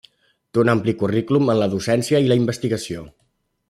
Té un ampli currículum en la docència i la investigació.